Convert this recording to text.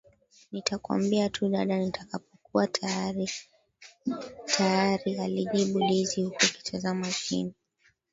nitakwambia tu dada nitakapokuwa tayarialijibu Daisy huku akitazama chini